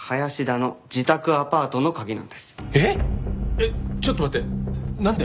えっちょっと待ってなんで？